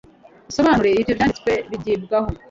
nsobanure ibyo byanditswe bigibwaho